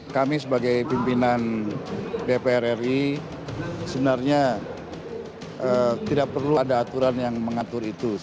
kami sebagai pimpinan dpr ri sebenarnya tidak perlu ada aturan yang mengatur itu